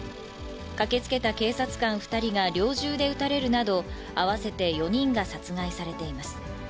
駆けつけた警察官２人が猟銃で撃たれるなど、合わせて４人が殺害されています。